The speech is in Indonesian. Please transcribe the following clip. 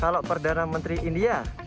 kalau perdana menteri india